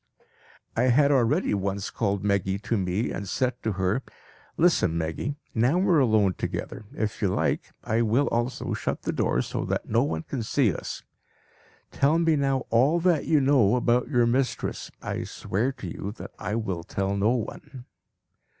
I had already once called Meggy to me and said to her, "Listen, Meggy! Now we are alone together; if you like, I will also shut the door so that no one can see us. Tell me now all that you know about your mistress. I swear to you that I will tell no one."